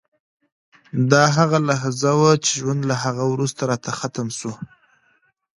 دا هغه لحظه وه چې ژوند له هغه وروسته راته ختم شو